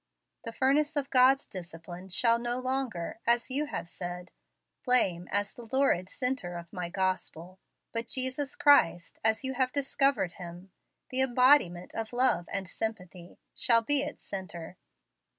The furnace of God's discipline shall no longer, as you have said, flame as the lurid centre of my Gospel; but Jesus Christ, as you have discovered Him, the embodiment of love and sympathy, shall be its centre."